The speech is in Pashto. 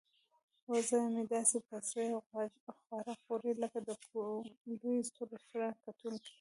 وزه مې داسې په ځیر خواړه خوري لکه د کوم لوی رستورانت کتونکی.